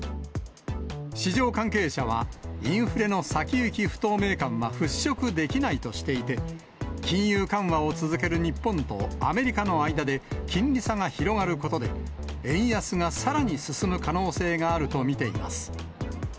市場関係者は、インフレの先行き不透明感は払拭できないとしていて、金融緩和を続ける日本とアメリカの間で、金利差が広がることで、円安がさらに進む可能性があると見ています。